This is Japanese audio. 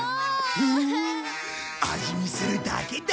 味見するだけだ。